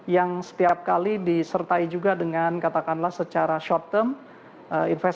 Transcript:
yang setiap kali disertai juga dengan katakanlah secara short term investor asing akan kembali